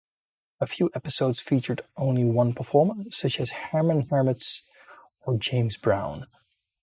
A few episodes featured only one performer, such as Herman's Hermits or James Brown.